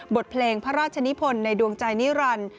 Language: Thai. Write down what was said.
บทเพลงพระราชนิพลในดวงใจนิรันดิ์